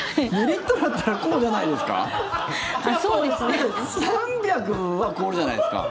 ２リットルだったらこうじゃないですか？